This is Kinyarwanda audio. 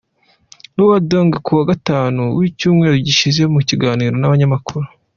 Luol Deng Kuwa Gatanu w'icyumweru gishize mu kiganiro n'abanyamakuru.